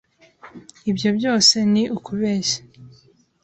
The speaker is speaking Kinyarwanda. Ibyo byose ni ukubeshya.